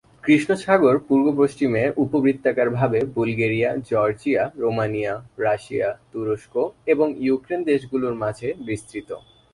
কৃষ্ণ সাগর পূর্ব-পশ্চিমে উপবৃত্তাকার ভাবে বুলগেরিয়া, জর্জিয়া, রোমানিয়া, রাশিয়া, তুরস্ক, এবং ইউক্রেন দেশগুলোর মাঝে বিস্তৃত।